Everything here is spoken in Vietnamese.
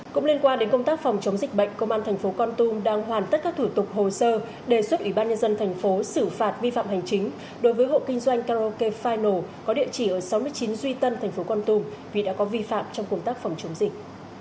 cũng liên quan đến công tác phòng chống dịch bệnh công an thành phố con tum đang hoàn tất các thủ tục hồ sơ đề xuất ủy ban nhân dân thành phố xử phạt vi phạm hành chính đối với hộ kinh doanh karaoke file có địa chỉ ở sáu mươi chín duy tân thành phố con tum vì đã có vi phạm trong công tác phòng chống dịch